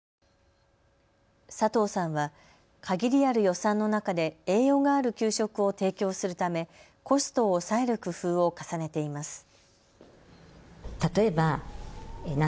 佐藤さんは限りある予算の中で栄養がある給食を提供するためコストを抑える工夫を重ねています。